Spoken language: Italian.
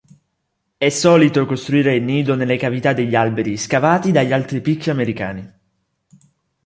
È solito costruire il nido nelle cavità degli alberi scavati dagli altri picchi americani.